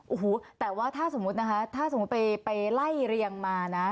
โอ้โหแต่ว่าถ้าสมมุตินะคะถ้าสมมุติไปไล่เรียงมานะ